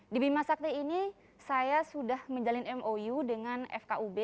di bima sakti ini saya sudah menjalin mou dengan fkub